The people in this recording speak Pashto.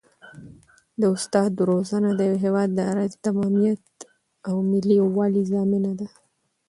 د استاد روزنه د یو هېواد د ارضي تمامیت او ملي یووالي ضامنه ده.